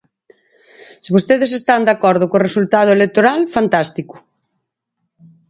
Se vostedes están de acordo co resultado electoral, fantástico.